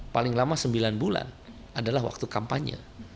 paling lama sembilan bulan adalah waktu kampanye